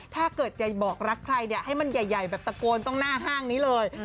ถ้าเกิดจะบอกรักใครเนี่ยให้มันใหญ่แบบตะโกนตรงหน้าห้างนี้เลย